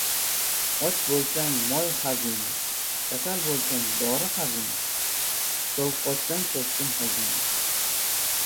• Och bo‘lsang, moy — xazina, kasal bo‘lsang, dori — xazina, sovuqotsang, po‘stin — xazina.